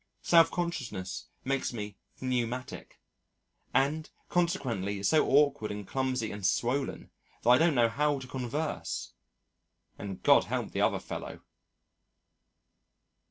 Self consciousness makes me pneumatic, and consequently so awkward and clumsy and swollen that I don't know how to converse and God help the other fellow.